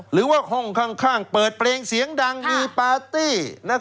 หรือว่าห้องข้างเปิดเพลงเสียงดังมีปาร์ตี้